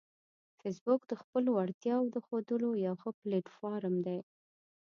فېسبوک د خپلو وړتیاوو د ښودلو یو ښه پلیټ فارم دی